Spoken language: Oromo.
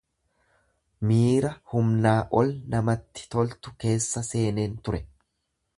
Miira humnaa ol namatti toltu keessa seeneen ture.